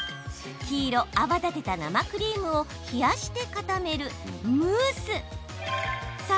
黄色・泡立てた生クリームを冷やして固める、ムース。